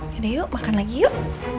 yaudah yuk makan lagi yuk